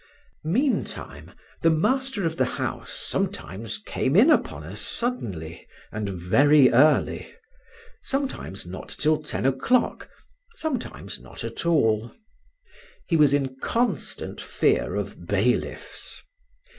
Meantime, the master of the house sometimes came in upon us suddenly, and very early; sometimes not till ten o'clock, sometimes not at all. He was in constant fear of bailiffs.